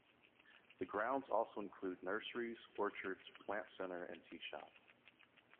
The grounds also include nurseries, orchards, plant centre and teashop.